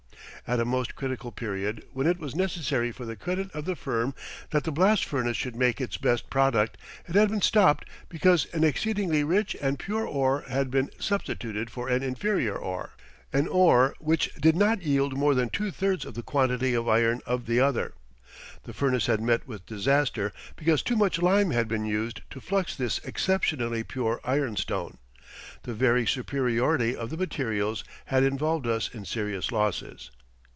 At a most critical period when it was necessary for the credit of the firm that the blast furnace should make its best product, it had been stopped because an exceedingly rich and pure ore had been substituted for an inferior ore an ore which did not yield more than two thirds of the quantity of iron of the other. The furnace had met with disaster because too much lime had been used to flux this exceptionally pure ironstone. The very superiority of the materials had involved us in serious losses.